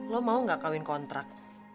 lo mau gak kawin kontrak